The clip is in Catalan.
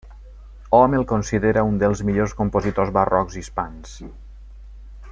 Hom el considera un dels millors compositors barrocs hispans.